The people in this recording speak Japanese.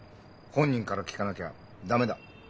本人から聞かなきゃ駄目だ。